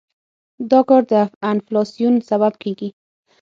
دا کار د انفلاسیون سبب کېږي.